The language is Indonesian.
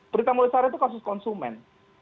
perintah mulia sehari itu kasus konsumen